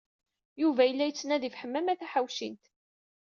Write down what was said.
Yuba yella yettnadi ɣef Ḥemmama Taḥawcint.